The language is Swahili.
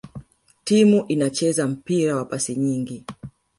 timu inacheza mpira wa pasi nyingi